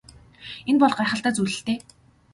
Энэ бол гайхалтай зүйл л дээ.